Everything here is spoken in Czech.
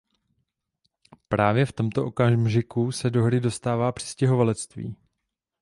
A právě v tomto okamžiku se do hry dostává přistěhovalectví.